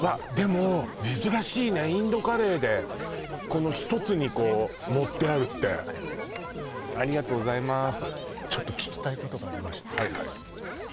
わっでも珍しいねインドカレーでこの１つにこう盛ってあるってありがとうございますありがとうございます